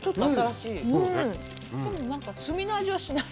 しかも炭の味はしない。